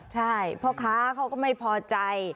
ใช่เพราะคะเขาก็ไม่พอใจ